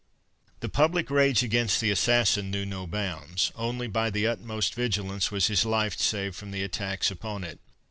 The public rage against the assassin knew no bounds. Only by the utmost vigilance was his life saved from the attacks upon it.